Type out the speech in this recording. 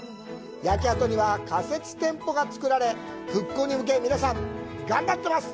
焼け跡には、仮設店舗が作られ復興に向け、皆さん頑張っています。